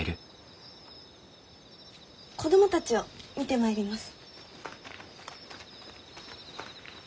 子供たちを見てまいります。